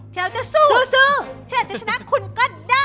เพราะเราจะสู้จะชนะคุณก็ได้